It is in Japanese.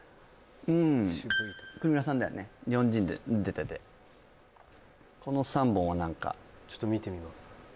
うん國村さんだよね日本人で出ててこの３本は何かちょっと見てみます